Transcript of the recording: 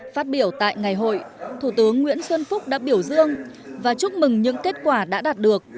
phát biểu tại ngày hội thủ tướng nguyễn xuân phúc đã biểu dương và chúc mừng những kết quả đã đạt được